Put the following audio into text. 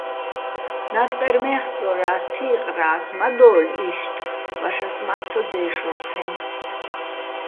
ნატყერ მე́ხკჲორა́ს, თი́ყრა́ს: "მა დო́ლ იშტ", ვაშას მა́ ცო დე́შორ სეჼ.